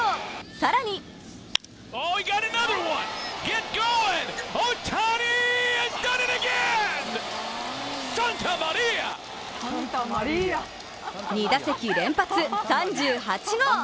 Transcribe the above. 更に２打席連発、３８号！